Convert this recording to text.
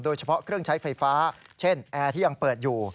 โดยเฉพาะเครื่องใช้ไฟฟ้าเช่นแอร์ที่ยังเปิดอยู่